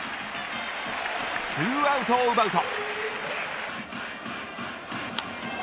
２アウトを奪うと。